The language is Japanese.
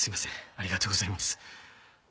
ありがとうございます。